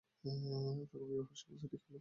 তখন বিবাহের সমস্ত ঠিক হইল।